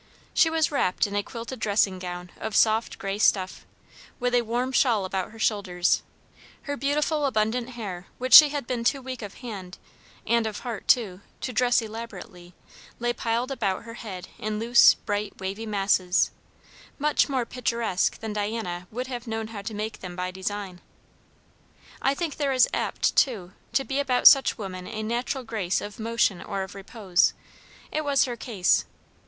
She was wrapped in a quilted dressing gown of soft grey stuff, with a warm shawl about her shoulders; her beautiful abundant hair, which she had been too weak of hand, and of heart too, to dress elaborately, lay piled about her head in loose, bright, wavy masses, much more picturesque than Diana would have known how to make them by design. I think there is apt, too, to be about such women a natural grace of motion or of repose; it was her case.